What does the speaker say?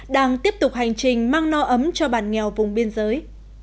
đang tiếp tục hành trình mang no ấm cho bản nghèo vùng biên giới